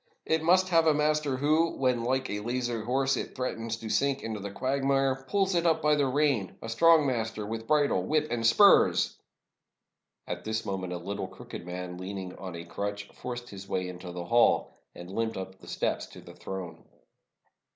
It must have a master, who, when, like a lazy horse, it threatens to sink into the quagmire, pulls it up by the rein; a strong master with bridle, whip, and spurs!" At this moment a little crooked man, leaning on a crutch, forced his way into the hall, and limped up to the steps of the throne.